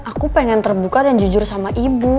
aku pengen terbuka dan jujur sama ibu